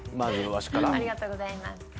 ありがとうございます。